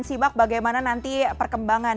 simak bagaimana nanti perkembangan